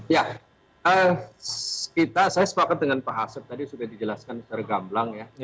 ya kita saya sepakat dengan pak asep tadi sudah dijelaskan secara gamblang ya